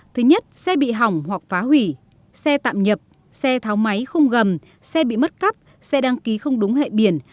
thứ nhất xe bị hỏng hoặc phá hủy xe tạm nhập xe tháo máy không gầm xe bị mất cắp xe đăng ký không đúng hệ biển